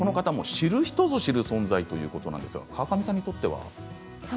知る人ぞ知る存在ということですが、川上さんにとっては？